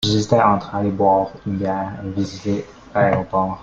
J’hésitais entre aller boire une bière et visiter l’aéroport.